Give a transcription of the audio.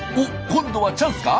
今度はチャンスか？